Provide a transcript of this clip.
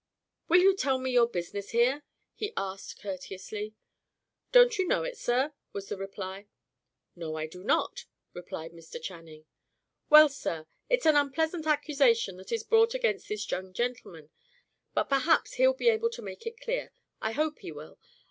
"Will you tell me your business here?" he asked courteously. "Don't you know it, sir?" was the reply. "No, I do not," replied Mr. Channing. "Well, sir, it's an unpleasant accusation that is brought against this young gentleman. But perhaps he'll be able to make it clear. I hope he will.